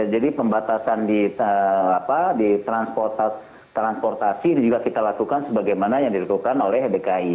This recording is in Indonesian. jadi pembatasan di transportasi juga kita lakukan sebagaimana yang dilakukan oleh dki